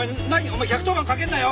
お前１１０番かけんなよ。